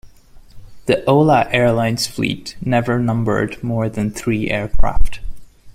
The Hola Airlines fleet never numbered more than three aircraft.